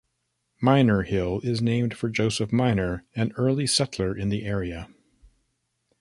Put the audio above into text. Minor Hill is named for Joseph Minor, an early settler in the area.